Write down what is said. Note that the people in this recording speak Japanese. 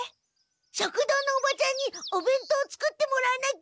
食堂のおばちゃんにおべんとうを作ってもらわなきゃ。